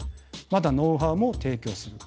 またノウハウも提供する。